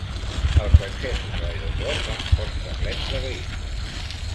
Els accessos a l'aeroport van força plens de vehicles.